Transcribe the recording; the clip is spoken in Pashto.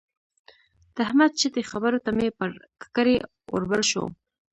د احمد چټي خبرو ته مې پر ککرۍ اور بل شو.